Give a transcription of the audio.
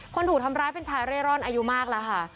ถูกทำร้ายเป็นชายเร่ร่อนอายุมากแล้วค่ะ